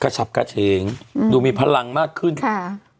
ฉับกระเฉงอืมดูมีพลังมากขึ้นค่ะ